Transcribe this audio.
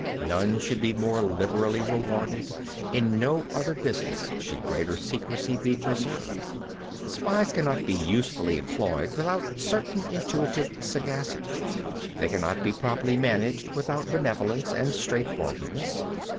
None should be more liberally rewarded. In no other business should greater secrecy be preserved. 15. Spies cannot be usefully employed without a certain intuitive sagacity. 16. They cannot be properly managed without benevolence and straightforwardness.